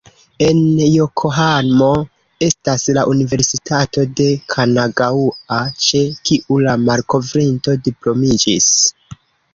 En Jokohamo estas la Universitato de Kanagaŭa, ĉe kiu la malkovrinto diplomiĝis.